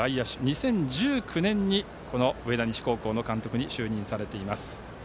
２０１９年に上田西高校の監督に就任されています。